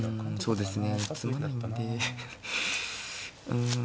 そうですね。